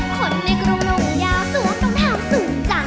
คนในกรมนมยาวสวมน้องเท้าสูงจัด